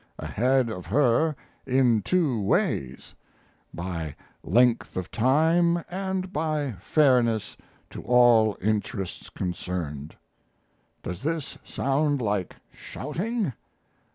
Ahead of her in two ways: by length of time and by fairness to all interests concerned. Does this sound like shouting?